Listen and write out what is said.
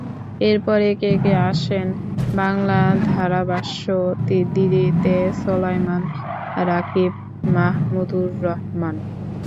এরপর একে একে আসেন বাংলা ধারাভাষ্য দিতে সোলায়মান রাকিব, মাহমুদুর রহমান।